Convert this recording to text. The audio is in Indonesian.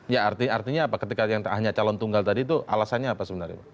ya artinya apa ketika yang hanya calon tunggal tadi itu alasannya apa sebenarnya pak